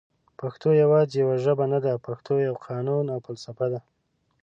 پښتو یواځي یوه ژبه نده پښتو یو قانون او فلسفه ده